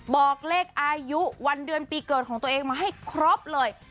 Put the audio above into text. บอกเลขอายุวันเดือนปีเกิดของตัวเองมาให้ครบเลย